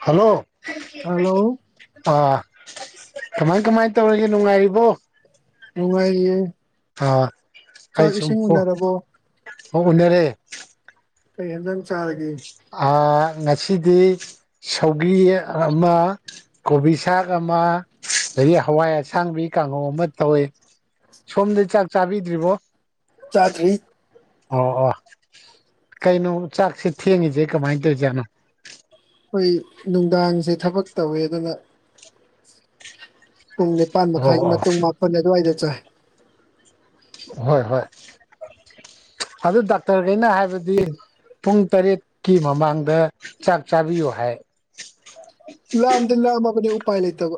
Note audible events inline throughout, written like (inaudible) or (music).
hello hello ꯑꯥ ꯀꯃꯥꯏ ꯀꯃꯥꯏ ꯇꯧꯔꯒꯦ ꯅꯨꯡꯉꯥꯏꯔꯤꯕꯣ ꯅꯨꯡꯉꯥꯏꯌꯦ ꯑꯥ ꯑꯩ ꯁꯨꯝ ꯑꯣ ꯎꯅꯔꯕꯣ ꯍꯣ ꯎꯅꯔꯦ ꯀꯩ ꯍꯦꯟꯖꯥꯡ ꯆꯥꯔꯒꯦ ꯑꯥ ꯉꯁꯤꯗꯤ ꯁꯧꯒ꯭ꯔꯤ ꯑꯃ ꯀꯣꯕꯤꯁꯥꯛ ꯑꯃ ꯑꯗꯒꯤ ꯍꯋꯥꯏ ꯑꯁꯥꯡꯕꯤ ꯀꯥꯡꯍꯧ ꯑꯃ ꯇꯧꯋꯤ ꯁꯣꯝꯗꯤ ꯆꯥꯛ ꯆꯥꯕꯤꯗ꯭ꯔꯤꯕꯣ ꯆꯥꯗ꯭ꯔꯤ ꯑꯣ ꯑꯣ ꯀꯩꯅꯣ ꯆꯥꯛꯁꯤ ꯊꯦꯡꯉꯤꯁꯦ ꯀꯃꯥꯏꯟ ꯇꯧꯏꯖꯥꯠꯅꯣ ꯑꯩꯈꯣꯏ ꯅꯨꯡꯗꯥꯡꯁꯦ ꯊꯥꯕꯛ ꯇꯧꯋꯦ ꯑꯗꯨꯅ ꯄꯨꯡ ꯅꯤꯄꯥꯟ ꯑꯣ ꯃꯈꯥꯏꯒꯤ ꯑꯣ ꯃꯇꯨꯡ ꯃꯥꯄꯟ ꯑꯗꯨꯋꯥꯏꯗ ꯆꯥꯏ ꯍꯣꯏ ꯍꯣꯏ ꯑꯗꯨ ꯗꯥꯛꯇꯔ ꯈꯩꯅ ꯍꯥꯏꯕꯗꯤ ꯄꯨꯡ ꯇꯔꯦꯠꯀꯤ ꯃꯃꯥꯡꯗ ꯆꯥꯛ ꯆꯥꯕꯤꯌꯨ ꯍꯥꯏ ꯂꯥꯝꯗ ꯂꯥꯝꯕꯅꯤ ꯎꯄꯥꯏ ꯂꯩꯇꯕ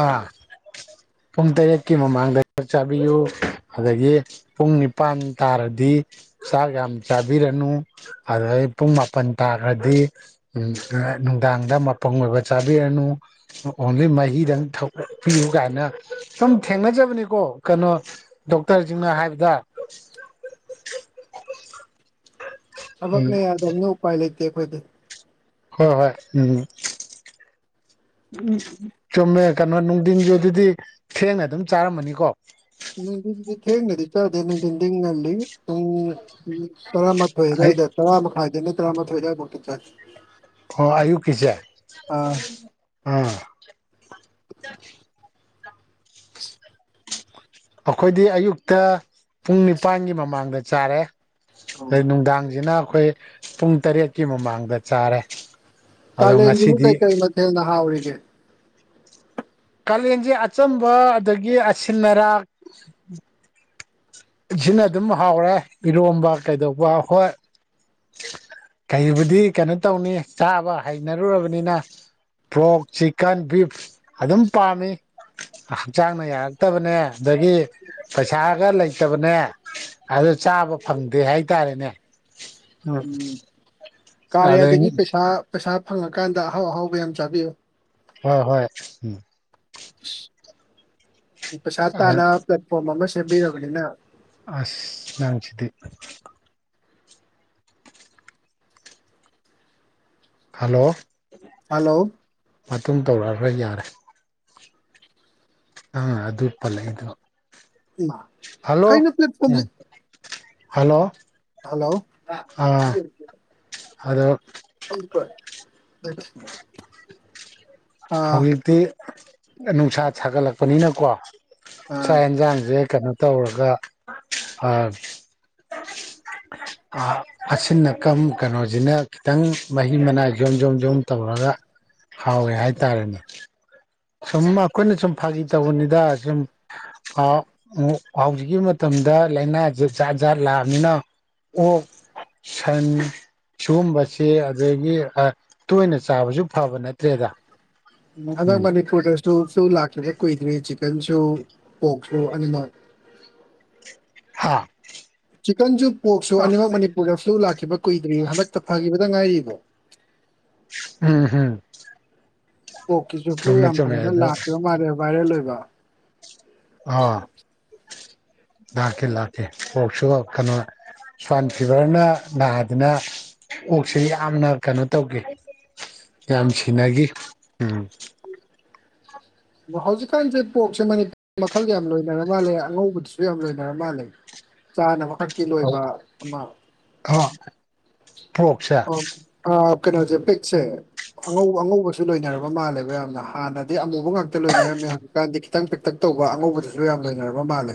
ꯑꯥ ꯄꯨꯡ ꯇꯔꯦꯠꯀꯤ ꯃꯃꯥꯡꯗ ꯆꯥꯕꯤꯌꯨ ꯑꯗꯒꯤ ꯄꯨꯡ ꯅꯤꯄꯥꯟ ꯇꯥꯔꯗꯤ ꯆꯥꯛ ꯌꯥꯝ ꯆꯥꯕꯤꯔꯅꯨ ꯑꯗꯨꯩ ꯄꯨꯡ ꯃꯥꯄꯜ ꯇꯥꯈ꯭ꯔꯗꯤ ꯎꯝ ꯅꯨꯡꯗꯥꯡꯗ ꯃꯄꯨꯡ ꯑꯣꯏꯕ ꯆꯥꯕꯤꯔꯅꯨ ꯑꯣꯡꯂꯤ ꯃꯥ ꯍꯤꯗꯪ ꯊꯛꯄꯤꯌꯨ ꯀꯥꯏꯅ ꯁꯨꯝ ꯊꯦꯡꯅꯖꯕꯅꯤꯀꯣ ꯀꯩꯅꯣ ꯗꯣꯛꯇꯔꯁꯤꯡꯅ ꯍꯥꯏꯕꯗ ꯎꯝ ꯊꯕꯛꯅ ꯌꯥꯗꯕꯅꯤꯅ ꯎꯄꯥꯏ ꯂꯩꯇꯦ ꯑꯩꯈꯣꯏꯗꯤ ꯍꯣꯏ ꯍꯣꯏ ꯎꯝ ꯎꯝ ꯆꯨꯝꯃꯦ ꯀꯩꯅꯣ ꯅꯨꯡꯊꯤꯟꯒꯤ ꯑꯗꯨꯗꯤ ꯊꯦꯡꯅ ꯑꯗꯨꯝ ꯆꯥꯔꯝꯃꯅꯤꯀꯣ ꯅꯨꯡꯊꯤꯟꯗꯤ ꯊꯦꯡꯅꯗꯤ ꯆꯥꯗꯦ ꯅꯨꯡꯊꯤꯟꯗꯤ ꯉꯟꯂꯤ ꯄꯨꯡ ꯎꯝ ꯇꯔꯥꯃꯥꯊꯣꯏ ꯑꯩ ꯑꯗꯨꯋꯥꯏꯗ ꯇꯔꯥꯃꯈꯥꯏꯗꯩꯅ ꯇꯔꯥꯃꯊꯣꯏ ꯑꯗꯨꯋꯥꯏꯃꯨꯛꯇ ꯆꯥꯏ ꯑꯣ ꯑꯌꯨꯛꯀꯤꯁꯦ ꯑꯥ ꯑꯥ ꯑꯩꯈꯣꯏꯗꯤ ꯑꯌꯨꯛꯇ ꯄꯨꯡ ꯅꯤꯄꯥꯟꯒꯤ ꯃꯃꯥꯡꯗ ꯆꯥꯔꯦ ꯑꯩ ꯅꯨꯡꯗꯥꯡꯁꯤꯅ ꯑꯩꯈꯣꯏ ꯄꯨꯡ ꯇꯔꯦꯠꯀꯤ ꯃꯃꯥꯡꯗ ꯆꯥꯔꯦ ꯑꯗꯣ ꯀꯥꯂꯦꯟꯁꯤꯕꯨ ꯉꯁꯤꯗꯤ ꯀꯩ ꯀꯩ ꯃꯊꯦꯜꯅ ꯍꯥꯎꯔꯤꯒꯦ ꯀꯥꯂꯦꯟꯁꯦ ꯑꯆꯝꯕ ꯑꯗꯒꯤ ꯑꯁꯤꯜ ꯑꯔꯥꯛ ꯁꯤꯅ ꯑꯗꯨꯝ ꯍꯥꯎꯔꯦ ꯏꯔꯣꯝꯕ ꯀꯩꯗꯧꯕ ꯍꯣꯏ ꯀꯩꯕꯨꯗꯤ ꯀꯩꯅꯣ ꯇꯧꯅꯤ ꯆꯥꯕ ꯍꯩꯅꯔꯨꯔꯕꯅꯤꯅ ꯄ꯭ꯣꯔꯛ ꯆꯤꯛꯀꯟ ꯕꯤꯐ ꯑꯗꯨꯝ ꯄꯥꯝꯃꯤ ꯍꯛꯆꯥꯡꯅ ꯌꯥꯔꯛꯇꯕꯅꯦ ꯑꯗꯒꯤ ꯄꯩꯁꯥꯒ ꯂꯩꯇꯕꯅꯦ ꯑꯗꯣ ꯆꯥꯕ ꯐꯪꯗꯦ ꯍꯥꯏꯇꯥꯔꯦꯅꯦ ꯎꯝ ꯑꯗꯩ ꯀꯥꯔꯤꯌꯥꯗꯒꯤ ꯄꯩꯁꯥ ꯄꯩꯁꯥ ꯐꯪꯉꯀꯥꯟꯗ ꯑꯍꯥꯎ ꯑꯍꯥꯎꯕ ꯌꯥꯝ ꯆꯥꯕꯤꯌꯨ ꯍꯣꯏ ꯍꯣꯏ ꯎꯝ ꯄꯩꯁꯥ ꯇꯥꯟꯅ ꯄ꯭ꯂꯦꯠꯐꯣꯝ ꯑꯃ ꯁꯦꯝꯕꯤꯔꯕꯅꯤꯅ ꯑꯁ ꯅꯪꯁꯤꯗꯤ ꯍꯜꯂꯣ ꯍꯜꯂꯣ ꯃꯇꯨꯡ ꯇꯧꯔꯛꯑꯔꯣꯏ ꯌꯥꯔꯦ ꯅꯪꯅ ꯑꯗꯨ ꯄꯜꯂꯛꯏꯗꯣ ꯏꯃꯥ ꯍꯜꯂꯣ ꯎꯝ ꯍꯜꯂꯣ ꯍꯜꯂꯣ (unintelligible) ꯍꯂꯣ (unintelligible) ꯑꯥ ꯍꯧꯖꯤꯛꯇꯤ ꯅꯨꯡꯁꯥ ꯁꯥꯒꯠꯂꯛꯄꯅꯤꯅꯀꯣ ꯑꯥ ꯆꯥꯛ ꯌꯦꯟꯖꯥꯥꯡꯖꯦ ꯀꯩꯅꯣ ꯇꯧꯔꯒ ꯑꯥ (unintelligible) ꯑꯁꯤꯟ ꯑꯀꯪ ꯀꯩꯅꯣꯖꯤꯅ ꯈꯤꯇꯪ ꯃꯍꯤ ꯃꯅꯥꯏ ꯖꯣꯝ ꯖꯣꯝ ꯖꯣꯝ ꯇꯧꯔꯒ ꯍꯥꯎꯋꯦ ꯍꯥꯏꯇꯥꯔꯦꯅꯦ ꯁꯨꯝ ꯑꯩꯈꯣꯏꯅ ꯁꯨꯝ ꯐꯥꯒꯤ ꯇꯧꯕꯅꯤꯗ ꯁꯨꯝ (unintelligible) ꯍꯧꯖꯤꯛꯀꯤ ꯃꯇꯝꯗ ꯂꯥꯏꯅꯥꯖꯦ ꯖꯥꯠ ꯖꯥꯠ ꯂꯥꯛꯑꯃꯤꯅꯥ ꯑꯣꯛ ꯁꯟ ꯁꯤꯒꯨꯝꯕꯁꯤ ꯑꯗꯒꯤ ꯇꯣꯏꯅ ꯆꯥꯕꯁꯨ ꯐꯕ ꯅꯠꯇ꯭ꯔꯦꯗ ꯍꯟꯗꯛ ꯎꯝ ꯃꯅꯤꯄꯨꯔꯗꯁꯨ ꯐꯂꯨ ꯂꯥꯛꯈꯤꯕꯥ ꯀꯨꯏꯗ꯭꯭ꯔꯤ ꯆꯤꯛꯀꯟꯁꯨ ꯄꯣꯛꯁꯨ ꯑꯅꯤꯃꯛ ꯍꯥꯥ ꯆꯤꯛꯀꯟꯁꯨ ꯄꯣꯛꯁꯨ ꯑꯅꯤꯃꯛ ꯃꯅꯤꯄꯨꯔꯗ ꯐ꯭ꯂꯨ ꯂꯥꯛꯈꯤꯕ ꯀꯨꯏꯗ꯭ꯔꯤ ꯍꯟꯗꯛꯇ ꯐꯈꯤꯕꯗ ꯉꯥꯏꯔꯤꯕ ꯎꯝ ꯍꯨꯝ ꯄꯣꯔꯛꯀꯤꯁꯨ ꯐ꯭ꯂꯨ ꯌꯥꯝ ꯆꯨꯝꯃꯦ ꯐꯖꯅ ꯑꯗꯨ ꯂꯥꯛꯈꯤꯕ ꯃꯥꯜꯂꯦ ꯚꯥꯏꯔꯦꯜ ꯑꯣꯏꯕ ꯑꯥ ꯂꯥꯛꯈꯤ ꯂꯥꯛꯈꯤ ꯄꯣꯛꯁꯨ ꯀꯩꯅꯣ ꯁ꯭ꯋꯥꯏꯟ ꯐꯤꯚꯔꯅ ꯅꯥꯗꯅ ꯑꯣꯛꯁꯤ ꯌꯥꯝꯅ ꯀꯩꯅꯣ ꯇꯧꯈꯤ ꯌꯥꯝ ꯁꯤꯅꯥꯒꯤ ꯎꯝ ꯗꯣ ꯍꯧꯖꯤꯛꯀꯥꯟꯁꯦ ꯄꯣꯛꯁꯦ ꯃꯅꯤꯄꯨꯔ ꯃꯈꯜ ꯌꯥꯝ ꯂꯣꯏꯅꯔ ꯃꯥꯜꯂꯦ ꯑꯉꯧꯕꯗꯨꯁꯨ ꯁꯨ ꯌꯥꯝ ꯂꯣꯏꯅꯔ ꯃꯥꯂꯦ ꯆꯥꯅꯕꯈꯛꯀꯤ ꯂꯣꯏꯕ ꯑꯃ ꯍ ꯑꯣ ꯑ ꯀꯩꯅꯣꯖꯦ ꯄꯤꯛꯁꯦ ꯑꯉꯧꯕ ꯑꯉꯧꯕꯁꯨ ꯂꯣꯏꯅꯔꯕ ꯃꯥꯜꯂꯦꯕ ꯌꯥꯝꯅ ꯍꯥꯟꯅꯗꯤ ꯑꯃꯨꯕ ꯉꯥꯛꯇ ꯂꯣꯏꯅꯔꯝꯃꯦ ꯍꯧ ꯀꯥꯟꯗꯤ ꯈꯤꯇꯪ ꯄꯤꯛꯇꯛ ꯇꯧꯕ ꯑꯉꯧꯕꯗꯨꯁꯨ ꯌꯥꯝ ꯂꯣꯏꯅꯔꯕ ꯃꯥꯜꯂꯦ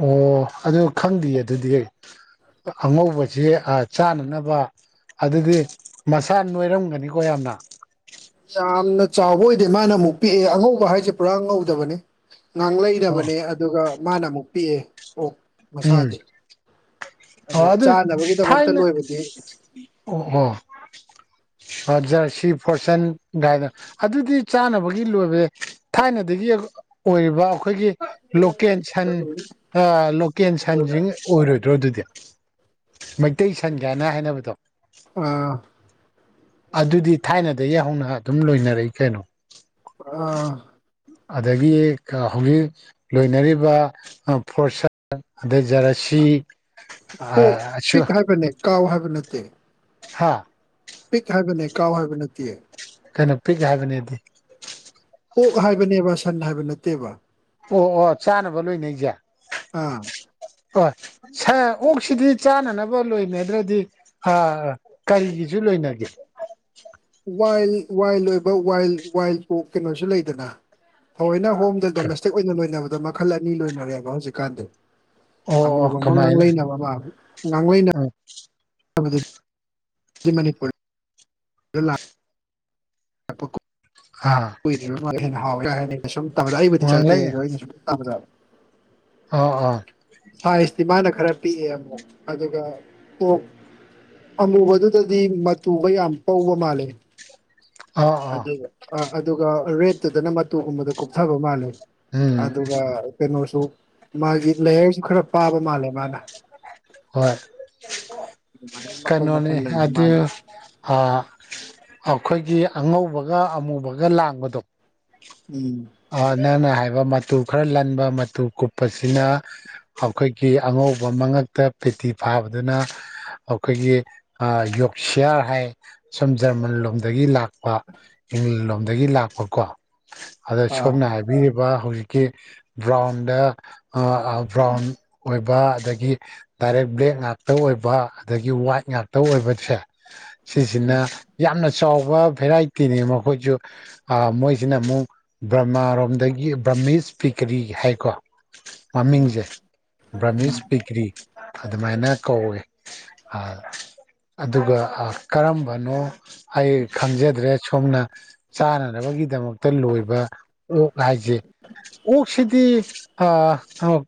ꯑꯣ ꯑꯗꯨ ꯈꯪꯗꯤꯌꯦ ꯑꯗꯨꯗꯤ ꯑꯩ ꯑꯉꯧꯕꯖꯦ ꯑꯥ ꯆꯥꯅꯅꯕ ꯑꯗꯨꯗꯤ ꯃꯁꯥ ꯅꯣꯏꯔꯝꯒꯅꯤꯀꯣ ꯌꯥꯝꯅ ꯌꯥꯝꯅ ꯆꯥꯎꯕ ꯑꯣꯏꯗꯦ ꯃꯥꯅ ꯑꯃꯨꯛ ꯄꯤꯛꯑꯦ ꯑꯉꯧꯕ ꯍꯥꯏꯁꯦ ꯄꯨꯔꯥ ꯉꯧꯗꯕꯅꯤ ꯉꯥꯡꯂꯩ ꯑꯣ ꯅꯕꯅꯦ ꯑꯗꯨꯒ ꯃꯥꯅ ꯑꯃꯨꯛ ꯄꯤꯛꯑꯦ ꯑꯣ ꯎꯝ ꯃꯁꯥꯗꯤ ꯑꯗꯨ ꯆꯥꯅꯕꯒꯤꯗꯃꯛꯇ ꯊꯥꯏꯅ ꯂꯣꯏꯕꯗꯤ ꯑꯣ ꯑꯣ ꯁꯟ ꯖꯔꯁꯤ ꯐꯣꯔꯁꯟ ꯒꯥꯏꯅꯥ ꯑꯗꯨꯗꯤ ꯆꯥꯅꯕꯒꯤ ꯂꯣꯏꯕꯅꯦ ꯊꯥꯏꯅꯗꯒꯤ ꯑꯣꯏꯔꯤꯕ ꯑꯩꯈꯣꯏꯒꯤ ꯂꯣꯀꯦꯜ ꯁꯟ ꯑꯥ ꯂꯣꯀꯦꯜ ꯁꯟꯁꯤꯡ ꯑꯣꯏꯔꯣꯏꯗ꯭ꯔꯣ ꯑꯗꯨꯗꯤ ꯃꯩꯇꯩ ꯁꯟꯒꯥꯏꯅꯥ ꯍꯥꯏꯅꯕꯗꯣ ꯑ ꯑꯗꯨꯗꯤ ꯊꯥꯏꯅꯗꯒꯤ ꯍꯧꯅ ꯑꯗꯨꯝ ꯂꯣꯏꯅꯔꯛꯏ ꯀꯩꯅꯣ ꯑ ꯑꯗꯒꯤ ꯈꯥ ꯍꯧꯖꯤꯛ ꯂꯣꯏꯅꯔꯤꯕ ꯑ ꯐꯣꯔꯁꯟ ꯑꯗꯩ ꯖꯔꯥꯁꯤ ꯄꯣꯛ ꯄꯤꯛ ꯍꯥꯏꯕꯅꯦ ꯀꯥꯎ ꯍꯥꯏꯕ ꯅꯠꯇꯦ ꯁꯥ ꯄꯤꯛ ꯍꯥꯏꯕꯅꯦ ꯀꯥꯎ ꯍꯥꯏꯕ ꯅꯠꯇꯦ ꯀꯩꯅꯣ ꯄꯤꯛ ꯍꯥꯏꯕꯅꯦꯗꯤ ꯑꯣꯛ ꯍꯥꯏꯕꯅꯦꯕ ꯁꯟ ꯍꯥꯏꯕ ꯅꯠꯇꯦꯕ ꯑꯣ ꯑꯣ ꯆꯥꯅꯕ ꯂꯣꯏꯅꯩꯁꯦ ꯑꯥ ꯍꯣꯏ ꯁꯥꯔ ꯑꯣꯛꯁꯤꯗꯤ ꯆꯥꯅꯅꯕ ꯂꯣꯏꯅꯗ꯭ꯔꯗꯤ ꯑ ꯀꯩꯒꯤꯁꯨ ꯂꯣꯏꯅꯒꯦ ꯋꯥꯏꯜꯒꯤ ꯋꯥꯏꯜ ꯑꯣꯏꯕ ꯋꯥꯏꯜ ꯋꯥꯏꯜ ꯄꯣꯛ ꯀꯩꯅꯣꯁꯨ ꯂꯩꯗꯅ ꯊꯑꯣꯏꯅ ꯍꯣꯝꯗ ꯗꯣꯃꯦꯁꯇꯤꯛ ꯑꯣꯏꯅ ꯂꯣꯏꯅꯕꯗ ꯃꯈꯜ ꯑꯅꯤ ꯂꯣꯏꯅꯔꯦꯕ ꯍꯧꯖꯤꯛꯀꯥꯟꯗꯤ ꯑꯣ ꯑꯣ ꯑꯃꯨꯕ ꯑꯃ ꯉꯥꯡꯂꯩꯅꯕ ꯑꯃꯥ ꯉꯥꯡꯂꯩꯅꯕ ꯍꯣꯌ ꯍꯧꯖꯤꯛ ꯗꯤ ꯃꯅꯤꯄꯨꯔ ꯗꯥꯂꯛ (unintelligible) ꯍꯥ ꯍꯨꯏꯗꯤ (unintelligible) ꯍꯥꯎꯋꯦꯒ ꯍꯥꯏꯅꯩ ꯃꯤꯅꯥ ꯁꯨꯝ ꯇꯝꯕꯗꯥ ꯑꯩꯕꯨꯗꯤ ꯆꯥꯗꯦ ꯋꯥꯡꯂꯩ ꯑꯗꯣ ꯑꯩꯗꯤ ꯁꯨꯝ ꯇꯝꯖꯕ ꯑꯥꯎ ꯑꯥ ꯁꯥꯏꯖꯇꯤ ꯃꯥꯅ ꯈꯔ ꯄꯤꯛꯑꯦ ꯑꯃꯨꯛ ꯑꯗꯨꯒ ꯀꯣꯛ ꯑꯃꯨꯕꯗꯨꯗꯗꯤ ꯃꯇꯨꯒ ꯌꯥꯝ ꯄꯧꯕ ꯃꯥꯜꯂꯦ ꯑꯣ ꯑꯣ ꯑꯗꯨꯒ ꯑ ꯑꯗꯨꯒ ꯔꯦꯠꯇꯨꯗꯅ ꯃꯇꯨꯒꯨꯝꯕꯗ ꯀꯨꯞꯊꯕ ꯃꯥꯜꯂꯦ ꯎꯝ ꯑꯗꯨꯒ ꯀꯩꯅꯣꯁꯨ ꯃꯥꯒꯤ ꯂꯦꯌꯔꯁꯨ ꯈꯔ ꯄꯥꯕ ꯃꯥꯜꯂꯦ ꯃꯥꯅ ꯍꯣꯏ ꯑꯗꯨꯃꯥꯏꯅ ꯃꯈꯜ ꯀꯩꯅꯣꯅꯤ ꯃꯈꯜ ꯂꯩꯕ ꯑꯗꯨ ꯃꯥꯜꯂꯦ ꯑ ꯑꯩꯈꯣꯏꯒꯤ ꯑꯉꯧꯕꯒ ꯑꯃꯨꯕꯒ ꯂꯥꯡꯕꯗꯣ ꯎꯝ ꯑꯥ ꯅꯪꯅ ꯍꯥꯏꯕ ꯃꯇꯨ ꯈꯔ ꯂꯟꯕ ꯃꯇꯨ ꯀꯨꯞꯄꯁꯤꯅ ꯐꯧ ꯑꯩꯈꯣꯏꯒꯤ ꯑꯉꯧꯕ ꯃꯉꯛꯇ ꯄꯦꯇꯤ ꯐꯥꯕꯗꯨꯅ ꯑꯩꯈꯣꯏꯒꯤ ꯑꯥ ꯌꯣꯛꯁꯤ꯭ꯌꯥꯔ ꯍꯥꯏ ꯁꯨꯝ ꯖ꯭ꯔꯃꯟ ꯂꯣꯝꯗꯒꯤ ꯂꯥꯛ ꯑ ꯏꯪꯂ‌ꯦꯟꯂꯣꯝꯗꯒꯤ ꯂꯥꯛꯄꯀꯣ ꯑꯗ ꯑꯥ ꯁꯣꯝꯅ ꯍꯥꯏꯕꯤꯔꯤꯕ ꯍꯧꯖꯤꯛꯀꯤ ꯕ꯭ꯔꯥꯎꯟꯗ ꯑꯥ ꯑ ꯕ꯭ꯔꯥꯎꯟ ꯑꯣꯏꯕ ꯑꯗꯒꯤ ꯗꯥꯏꯔꯦꯛ ꯕ꯭ꯂꯦꯛ ꯉꯥꯛꯇ ꯑꯣꯏꯕ ꯑꯗꯒꯤ ꯋꯥꯏꯠ ꯉꯥꯛꯇ ꯑꯣꯏꯕꯁꯦ ꯎꯝ ꯁꯤꯁꯤꯅ ꯌꯥꯝꯅ ꯆꯥꯎꯕ ꯚꯦꯔꯥꯏꯇꯤꯅꯤ ꯃꯈꯣꯏꯁꯨ ꯑ ꯃꯣꯏꯁꯤꯅ ꯑꯃꯨꯛ ꯕ꯭ꯔꯃꯥꯔꯣꯝꯗꯒꯤ ꯕ꯭ꯔꯃꯤꯁ ꯄꯤꯀꯔꯤ ꯍꯥꯏꯀꯣ ꯑꯥ ꯃꯃꯤꯡꯁꯦ ꯎꯝ ꯕ꯭ꯔꯃꯤꯁ ꯄꯤꯀ꯭ꯔꯤ ꯑꯗꯨꯃꯥꯏꯅ ꯀꯧꯋ‌ꯦ ꯑ ꯑꯗꯨꯒ ꯑ ꯀꯔꯝꯕꯅꯣ ꯑꯩ ꯈꯪꯖꯗ꯭ꯔꯦ ꯁꯣꯝꯅ ꯆꯥꯅꯅꯕꯒꯤꯗꯃꯛꯇ ꯂꯣꯏꯕ ꯑꯣꯛ ꯍꯥꯏꯁꯦ ꯑꯣꯛꯁꯤꯗꯤ ꯐꯥ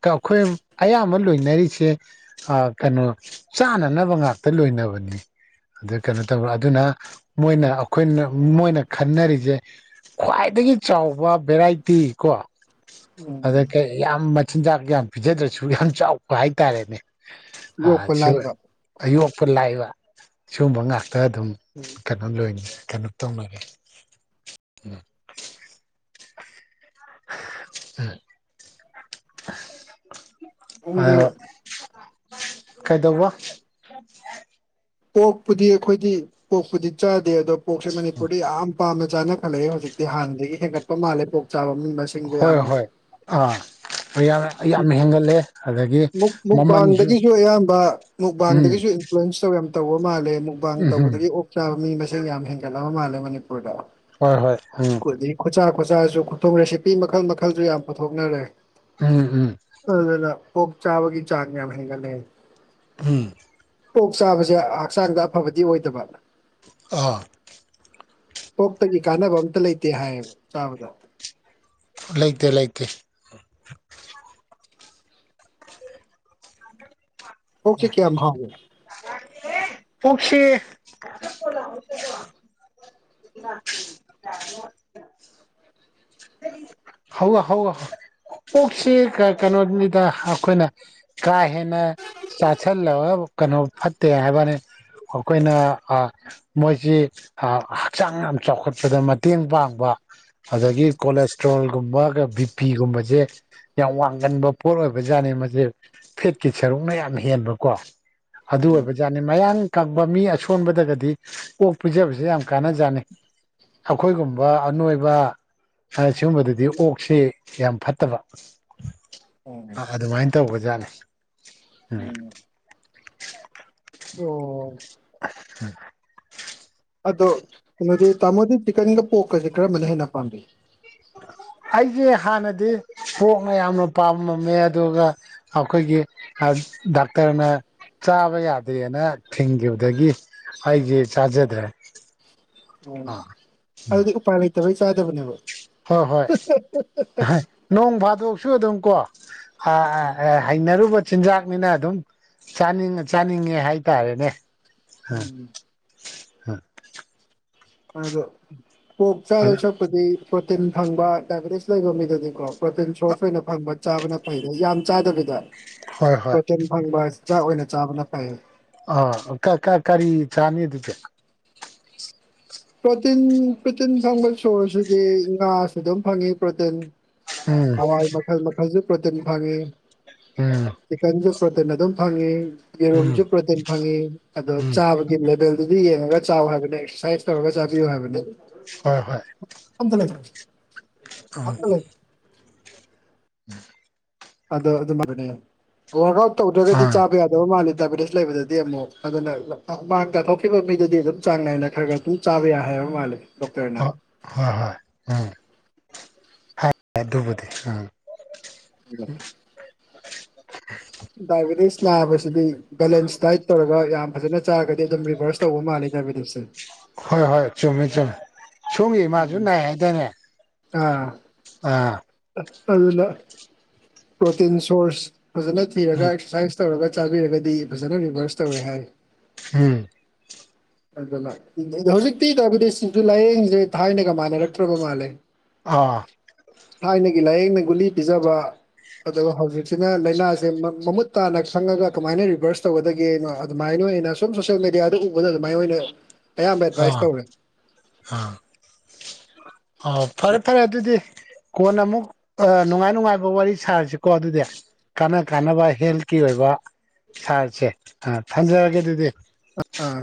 ꯀ ꯑꯩꯈꯣꯏ ꯑꯌꯥꯝꯕ ꯂꯣꯏꯅꯔꯤꯁꯦ ꯑ ꯀꯩꯅꯣ ꯆꯥꯅꯅꯕ ꯉꯥꯛꯇ ꯂꯣꯏꯅꯕꯅꯤ ꯑꯗꯨ ꯀꯩꯅꯣ ꯇꯧꯕ ꯑꯗꯨꯅ ꯃꯣꯏꯅ ꯑꯩꯈꯣꯏꯅ ꯃꯣꯏꯅ ꯈꯟꯅꯔꯤꯁꯦ ꯈ꯭ꯋꯥꯏꯗꯒꯤ ꯆꯥꯎꯕ ꯚꯦꯔꯥꯏꯇꯤ ꯀꯣ ꯎꯝ ꯑꯗ ꯀꯩ ꯌꯥꯝ ꯃꯆꯤꯟꯖꯥꯛ ꯌꯥꯝ ꯄꯤꯖꯗ꯭ꯔꯁꯨ ꯌꯥꯝ ꯆꯥꯎꯕ ꯍꯥꯏꯇꯥꯔꯦꯅꯦ ꯑ ꯌꯣꯛꯄ ꯁꯤ ꯂꯥꯏꯕ ꯑꯌꯣꯛꯄ ꯂꯥꯏꯕ ꯁꯤꯒꯨꯝꯕ ꯉꯥꯛꯇ ꯑꯗꯨꯝ ꯈꯔ ꯂꯣꯏꯅꯩ ꯀꯩꯅꯣ ꯇꯧꯅꯔꯦ (inaudible) ꯈꯪꯗꯦ ꯍꯥꯏꯌ‌ꯣ ꯀꯩꯗꯧꯕ ꯑꯣꯛꯄꯨꯗꯤ ꯑꯩꯈꯣꯏꯗꯤ ꯄꯣꯛꯄꯨꯗꯤ ꯆꯥꯗꯦ ꯑꯗꯣ ꯄꯣꯛꯁꯦ ꯃꯅꯤꯄꯨꯔꯗ ꯌꯥꯝ ꯄꯥꯝꯅ ꯆꯥꯅ ꯈꯠꯂꯛꯑꯦ ꯍꯧꯖꯤꯛꯇꯤ ꯍꯥꯟꯅꯗꯒꯤ ꯍꯦꯟꯒꯠ ꯄ ꯃꯥꯜꯂꯦ ꯄꯣꯛ ꯆꯥꯕ ꯃꯤ ꯃꯁꯤꯡ ꯍꯣꯏ ꯍꯣꯏ ꯑꯥ ꯌꯥꯝ ꯌꯥꯝ ꯍꯦꯟꯒꯠꯂꯦ ꯑꯗꯒꯤ ꯃꯨꯛ ꯃꯃꯜꯁꯨ ꯃꯨꯛꯕꯥꯟꯗꯒꯤꯁꯨ ꯑꯌꯥꯝꯕ ꯎꯝ ꯃꯨꯛꯕꯥꯟꯗꯒꯤꯁꯨ ꯂꯟꯁ ꯇꯧ ꯌꯥꯝ ꯇꯧꯕ ꯃꯥꯜꯂꯦ ꯃꯨꯛꯕꯥꯥꯡ ꯎꯝ ꯎꯝ ꯇꯧꯕꯗꯒꯤ ꯑꯣꯛ ꯆꯥꯕ ꯃꯤ ꯃꯁꯤꯡ ꯌꯥꯝ ꯍꯦꯟꯒꯠꯂꯕ ꯃꯥꯜꯂꯦ ꯃꯅꯤꯄꯨꯔꯗ ꯍꯣꯏ ꯍꯣꯏ ꯎꯝ ꯑꯗꯨꯗꯒꯤ ꯈꯨꯠꯆꯥ ꯈꯨꯠꯆꯥꯥꯁꯨ ꯈꯨꯊꯣꯡ ꯔꯦꯁꯤꯄꯤ ꯃꯈꯜ ꯃꯈꯜꯁꯨ ꯌꯥꯝ ꯄꯨꯊꯣꯛꯅꯔ‌ꯦ ꯎꯝ ꯎꯝ ꯑꯗꯨꯅ ꯑꯣꯛ ꯆꯥꯕꯒꯤ ꯆꯥꯡ ꯌꯥꯝ ꯍꯦꯟꯒꯠꯂꯦ ꯍꯨꯝ ꯑꯣꯛ ꯆꯥꯕꯁꯦ ꯍꯛꯆꯥꯡꯗ ꯑꯐꯕꯗꯤ ꯑꯣꯏꯗꯕ ꯑꯥ ꯑꯣꯛꯇꯒꯤ ꯀꯥꯟꯅꯕ ꯑꯝꯇ ꯂꯩꯇꯦ ꯍꯥꯏꯌꯦꯕ ꯆꯥꯕꯗ ꯂꯩꯇꯦ ꯂꯩꯇꯦ ꯑꯣꯛꯁ‌ꯦ ꯀꯌꯥꯝ ꯍꯥꯎꯒ‌ꯦ ꯂꯥꯛꯇ‌ꯦꯍ‌ꯦ ꯑꯣꯛꯁ‌ꯦ (unintelligible) ꯍꯧ ꯍꯧ ꯑꯣꯛꯁꯤ ꯀ ꯀꯩꯅꯣꯅꯤꯗ ꯑꯩꯈꯣꯏꯅ ꯀꯥꯍꯦꯟꯅ ꯆꯥꯥꯁꯜꯂꯒ ꯀꯩꯅꯣ ꯐꯠꯇꯦ ꯍꯥꯏꯕ ꯋꯥꯅꯤ ꯑꯩꯈꯣꯏꯅ ꯑꯥ ꯃꯣꯏꯁꯤ ꯍ ꯍꯛꯆꯥꯡ ꯌꯥꯝ ꯆꯥꯎꯈꯠꯄꯗ ꯃꯇꯦꯡ ꯄꯥꯡꯕ ꯑꯗꯨꯗꯒꯤ ꯀꯣꯂꯦꯁꯇ꯭ꯔꯣꯜ ꯒꯨꯝꯕꯒ ꯕꯤꯄꯤꯒꯨꯝꯕꯁꯦ ꯌꯥꯝ ꯋꯥꯡꯖꯟꯕ ꯄꯣꯠ ꯑꯣꯏꯕꯖꯥꯠꯅꯤ ꯃꯁꯦ ꯐꯦꯠꯀꯤ ꯁꯔꯨꯛꯅ ꯌꯥꯝ ꯍꯦꯟꯕꯀꯣ ꯑꯗꯨ ꯎꯝ ꯑꯣꯏꯕꯖꯥꯠꯅꯤ ꯃꯌꯥꯡ ꯀꯪꯕ ꯃꯤ ꯑꯁꯣꯟꯕꯗꯒꯗꯤ ꯑꯣꯛ ꯄꯤꯖꯕꯁꯦ ꯌꯥꯝ ꯀꯥꯟꯅꯖꯥꯠꯅꯤ ꯑꯩꯈꯣꯏꯒꯨꯝꯕ ꯑꯅꯣꯏꯕ ꯁꯤꯒꯨꯝꯕꯗꯗꯤ (unintelligible) ꯑꯣꯛꯁꯤ ꯌꯥꯝ ꯐꯠꯇꯕ ꯎꯝ ꯑ ꯑꯗꯨꯃꯥꯏꯅ ꯇꯧꯕꯖꯥꯠꯅꯤ ꯎꯝ ꯑꯣ (unintelligible) ꯑꯗꯣ ꯀꯩꯅꯣꯗꯤ ꯇꯥꯃꯣꯗꯤ ꯆꯤꯀꯟꯒ ꯄꯣꯛꯀꯁꯦ ꯀꯔꯝꯕꯅ ꯍꯦꯟꯅ ꯄꯥꯝꯕꯤ ꯑꯩꯁꯦ ꯍꯥꯟꯅꯗꯤ ꯄꯣꯛꯅ ꯌꯥꯝꯅ ꯄꯥꯝꯃꯝꯃꯦ ꯑꯗꯨꯒ ꯑꯩꯈꯣꯏꯒꯤ ꯑꯁ ꯗꯥꯛꯇꯔꯅ ꯆꯥꯕ ꯌꯥꯗꯦꯅ ꯊꯤꯡꯈꯤꯕꯗꯒꯤ ꯑꯩꯁꯦ ꯆꯥꯖꯗ꯭ꯔꯦ ꯑꯣ ꯑꯥ ꯑꯗꯨꯗꯤ ꯎꯄꯥꯏ ꯂꯩꯇꯕꯩ ꯆꯥꯗꯕꯅꯦꯕ ꯍꯣꯏ ꯍꯣꯏ ꯅꯣꯡ ꯐꯥꯗꯣꯛꯁꯨ ꯑꯗꯨꯝ ꯀꯣ ꯑꯥ ꯍꯩꯅꯔꯨꯕ ꯆꯤꯟꯖꯥꯛꯅꯤꯅ ꯑꯗꯨꯝ ꯆꯥꯅꯤꯡ ꯆꯥꯅꯤꯡꯉꯦ ꯍꯥꯏꯇꯥꯔꯦꯅꯦ ꯎꯝ ꯎꯝ ꯃꯗꯣ ꯄꯣꯛ ꯆꯥꯗꯣꯏ ꯑꯗ ꯁꯔꯨꯛ ꯍꯥꯏꯕꯗꯤ ꯄ꯭ꯔꯣꯇꯤꯟ ꯐꯪꯕ ꯗꯥꯏꯕꯦꯇꯤꯁ ꯂꯩꯕ ꯃꯤꯗꯗꯤꯀꯣ ꯄ꯭ꯔꯣꯇꯤꯟ ꯁꯣꯔꯁ ꯑꯣꯏꯅ ꯐꯪꯕ ꯆꯥꯕꯅ ꯐꯩꯗ ꯌꯥꯝ ꯆꯥꯗꯕꯤꯗ ꯍꯣꯏ ꯍꯣꯏ ꯄ꯭ꯔꯣꯇꯤꯟ ꯐꯪꯕ ꯆꯥꯛ ꯑꯣꯏꯅ ꯆꯥꯕꯅ ꯐꯩ ꯑ ꯀꯥ ꯀꯥ ꯀꯔꯤ ꯆꯥꯅꯤ ꯑꯗꯨꯗꯤ ꯄ꯭ꯔꯣꯇꯤꯟ ꯄ꯭ꯔꯣꯇꯤꯟ ꯐꯪꯕ ꯁꯣꯔꯁꯤꯗꯤ ꯉꯥꯁꯨ ꯑꯗꯨꯝ ꯐꯪꯉꯤ ꯄ꯭ꯔꯣꯇꯤꯟ ꯎꯝ ꯑꯋꯥꯏ ꯃꯈꯜ ꯃꯈꯜꯁꯨ ꯄ꯭ꯔꯣꯇꯤꯟ ꯐꯪꯉꯤ ꯎꯝ ꯆꯤꯀꯟꯁꯨ ꯄ꯭ꯔꯣꯇꯤꯟ ꯑꯗꯨꯝ ꯐꯪꯉꯤ ꯌꯦꯔꯨꯝꯁꯨ ꯎꯝ ꯄ꯭ꯔꯣꯇꯤꯟ ꯐꯪꯉꯤ ꯑꯗꯣ ꯎꯝ ꯆꯥꯕꯒꯤ ꯂꯦꯚꯦꯜꯗꯨꯗꯤ ꯌꯦꯡꯉꯒ ꯆꯥꯎ ꯍꯥꯏꯕꯅꯦ ꯑꯦꯛꯁꯔꯁꯥꯏꯁ ꯇꯧꯔꯒ ꯆꯥꯕꯤꯌꯨ ꯍꯥꯏꯕꯅꯦ ꯍꯣꯏ ꯍꯣꯏ ꯑꯃꯇꯥ ꯂꯩꯇ꯭ꯔꯦ (unintelligible) (unintelligible) ꯑꯗꯣ ꯑꯗꯨꯃꯅꯦ ꯋꯥꯛ ꯑꯥꯎꯠ ꯇꯧꯗ꯭ꯔꯒꯗꯤ ꯑꯥ ꯆꯥꯕ ꯌꯥꯗꯕ ꯃꯥꯜꯂꯦ ꯄꯥꯏꯕꯦꯇꯤꯁ ꯂꯩꯕꯗꯗꯤ ꯑꯃꯨꯛ ꯑꯗꯨꯅ ꯍꯨꯃꯥꯥꯡ ꯇꯥꯊꯣꯛꯈꯤꯕ ꯃꯤꯗꯨꯗꯤ ꯑꯗꯨꯝ ꯆꯥꯡ ꯅꯥꯏꯅ ꯈꯔ ꯈꯔ ꯑꯗꯨꯝ ꯆꯥꯕ ꯌꯥꯏ ꯍꯥꯏꯕ ꯃꯥꯜꯂꯤ ꯗꯣꯛꯇꯔꯅ ꯍꯣꯏ ꯍꯣꯏ ꯍꯣꯏ ꯎꯝ ꯐ ꯑꯗꯨꯕꯨꯗꯤ ꯎꯝ (unintelligible) ꯗꯥꯏꯕꯦꯇꯤꯁ ꯅꯥꯕꯁꯤꯗꯤ ꯕꯦꯂꯦꯟꯁ ꯗꯥꯏꯠ ꯇꯧꯔꯒ ꯌꯥꯝ ꯐꯖꯅ ꯆꯥꯔꯒꯗꯤ ꯑꯗꯨꯝ ꯔꯤꯚꯔꯁ ꯇꯧꯕ ꯃꯥꯜꯂꯦ ꯗꯥꯏꯕꯦꯇꯤꯁꯁꯦ ꯍꯣꯏ ꯍꯣꯏ ꯆꯨꯝꯃꯦ ꯆꯨꯝꯃꯦ ꯁꯣꯝꯒꯤ ꯏꯃꯥꯁꯨ ꯎꯝ ꯅꯥꯏ ꯍꯥꯏꯗꯥꯏꯅꯦ ꯑꯥ ꯑꯥ ꯑꯗꯨꯅ ꯄ꯭ꯔꯣꯇꯤꯟ ꯁꯣꯔꯁ ꯐꯖꯅ ꯊꯤꯔꯒ ꯎꯝ ꯑꯦꯛꯁꯔꯁꯥꯏꯁ ꯇꯧꯔꯒ ꯆꯥꯕꯤꯔꯒꯗꯤ ꯐꯖꯅ ꯔꯤꯚꯔꯁ ꯇꯧꯋꯦ ꯍꯥꯏ ꯎꯝ ꯑꯗꯨꯅ ꯍꯧꯖꯤꯛꯇꯤ ꯇꯧꯕꯗꯤ ꯁꯤꯁꯨ ꯂꯥꯏꯌꯦꯡꯁꯤꯡꯁ‌ꯦ ꯊꯥꯏꯅꯒ ꯃꯥꯟꯅꯔꯛꯇ꯭ꯔꯕꯥ ꯃꯥꯜꯂꯦ ꯑꯥ ꯊꯥꯏꯅꯒꯤ ꯂꯥꯏꯌꯦꯡꯅ ꯒꯨꯂꯤ ꯄꯤꯖꯕ ꯑꯗꯨꯒ ꯍꯧꯖꯤꯛꯁꯤꯅ ꯂꯥꯏꯅꯥꯁꯦ ꯃꯃꯨꯠ ꯇꯥꯅ ꯈꯪꯉꯒ ꯀꯃꯥꯏꯅ ꯔꯤꯚꯔꯁ ꯇꯧꯒꯗꯒꯦꯅꯣ ꯑꯗꯨꯃꯥꯏꯅ ꯑꯣꯏꯅ ꯁꯨꯝ ꯁꯣꯁꯦꯜ ꯃꯦꯗꯤꯌꯥꯗ ꯎꯕꯗ ꯑꯗꯨꯃꯥꯏ ꯑꯣꯏꯅ ꯑꯌꯥꯝꯕ ꯑꯦꯗꯚꯥꯏꯁ ꯑꯥ ꯇꯧꯔꯦ ꯑꯥ ꯑꯣ ꯐꯔꯦ ꯐꯔꯦ ꯑꯗꯨꯗꯤ ꯀꯣꯟꯅ ꯑꯃꯨꯛ ꯑꯥ ꯅꯨꯡꯉꯥꯏ ꯅꯨꯡꯉꯥꯏꯕ ꯋꯥꯔꯤ ꯁꯥꯔꯤꯁꯤꯀꯣ ꯑꯗꯨꯗꯤ ꯀꯥꯟꯅ ꯀꯥꯟꯅꯕ ꯍꯦꯜꯀꯤ ꯑꯣꯏꯕ ꯁꯥꯔꯁꯦ ꯊꯝꯖꯔꯒꯦ ꯑꯗꯨꯗꯤ ꯑꯥ